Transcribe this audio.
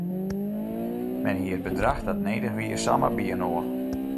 Men hie it bedrach dat nedich wie samar byinoar.